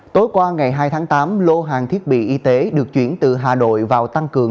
tối qua ngày hai tháng tám lô hàng thiết bị y tế được chuyển từ hà nội vào tăng cường